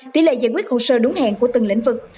tỷ lệ giải quyết hồ sơ đúng hẹn của từng lĩnh vực